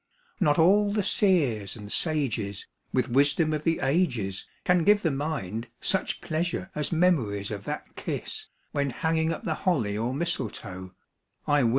Not all the seers and sages With wisdom of the ages Can give the mind such pleasure as memories of that kiss When hanging up the holly or mistletoe, I wis.